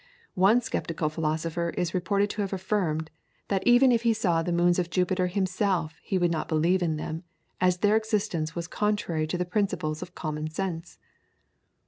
One sceptical philosopher is reported to have affirmed, that even if he saw the moons of Jupiter himself he would not believe in them, as their existence was contrary to the principles of common sense!